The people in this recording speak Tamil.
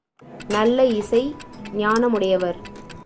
நல்ல இசை ஞானமுடையவர்.